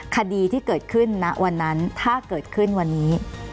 คดีที่เกิดขึ้นณวันนั้นถ้าเกิดขึ้นวันนี้